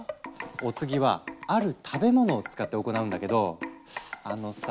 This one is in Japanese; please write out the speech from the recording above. お次は「ある食べ物」を使って行うんだけどあのさ